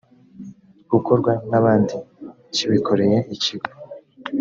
ukorwa n abandi kibikoreye ikigo